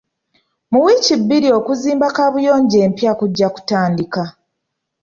Mu wiiki bbiri okuzimba kabuyonjo empya kujja kutandika.